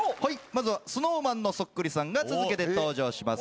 まずはＳｎｏｗＭａｎのそっくりさんが続けて登場します。